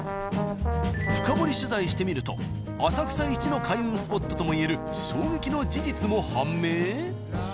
深堀り取材してみると浅草一の開運スポットともいえる衝撃の事実も判明！？